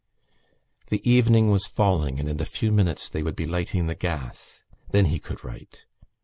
_ The evening was falling and in a few minutes they would be lighting the gas: then he could write.